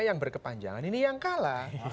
yang berkepanjangan ini yang kalah